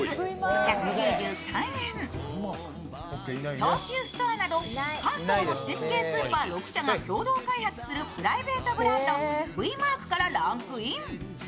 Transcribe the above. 東急ストアなど関東の私鉄系スーパー６社が共同開発するプライベートブランド、Ｖマークからランクイン。